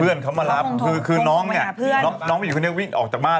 เพื่อนเขามารับคือน้องอยู่คนนี้วิ่งออกจากบ้าน